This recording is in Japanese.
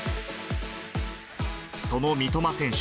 その三笘選手。